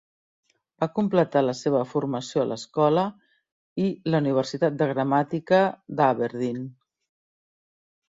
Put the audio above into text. Va completar la seva formació a l"escola i la universitat de gramàtica d"Aberdeen.